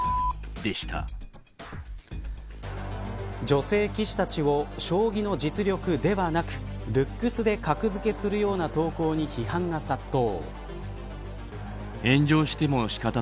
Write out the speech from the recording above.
女性棋士たちを将棋の実力ではなくルックスで格付けするような投稿に批判が殺到。